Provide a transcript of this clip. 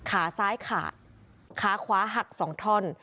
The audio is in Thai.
ขาซ้ายขาดขาขวาหัก๒ท่อน